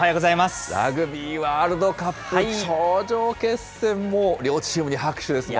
ラグビーワールドカップ、頂上決戦、もう両チームに拍手ですよ。